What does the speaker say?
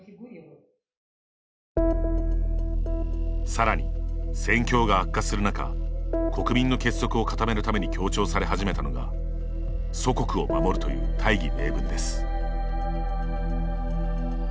さらに、戦況が悪化する中国民の結束を固めるために強調され始めたのが祖国を守るという大義名分です。